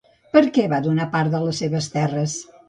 Per què va donar part de les seves terres?